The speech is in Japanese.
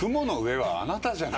はい。